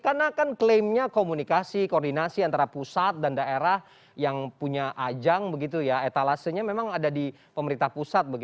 karena kan klaimnya komunikasi koordinasi antara pusat dan daerah yang punya ajang etalasenya memang ada di pemerintah pusat